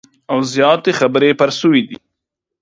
او زیاتي خبري پر سوي دي